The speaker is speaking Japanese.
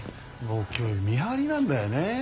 僕今日見張りなんだよね。